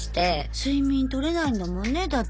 睡眠取れないんだもんねだって。